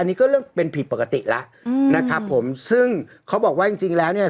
อันนี้ก็เรื่องเป็นผิดปกติแล้วอืมนะครับผมซึ่งเขาบอกว่าจริงจริงแล้วเนี่ย